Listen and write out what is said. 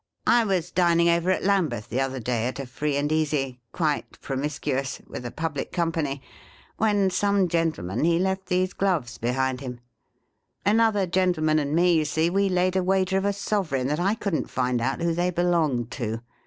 ' I was dining over at Lambeth, the other day, at a free and easy — quite promiscuous — with VOL. I. 25 578 HOUSEHOLD WORDS. [Conducted by a public company — when some gentleman, he left these gloves behind him ! Another gen tleman and me, you see, Ave laid a wager of a sovereign, that I wouldn't find out who they belonged to.